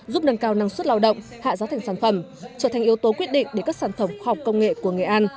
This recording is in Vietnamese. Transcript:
giúp nâng cao năng suất lao động hạ giá thành sản phẩm trở thành yếu tố quyết định để các sản phẩm khoa học công nghệ của nghệ an